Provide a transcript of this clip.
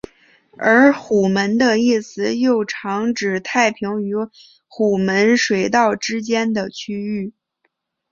而虎门一词又常指太平与虎门水道之间的区域。